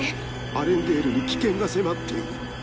アレンデールに危険が迫っている。